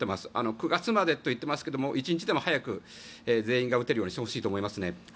９月までと言っていますが一日でも早く全員が打てるようにしてほしいと思いますね。